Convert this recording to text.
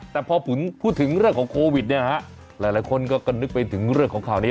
แต่พอผมพูดถึงเรื่องของโควิดเนี่ยฮะหลายคนก็นึกไปถึงเรื่องของข่าวนี้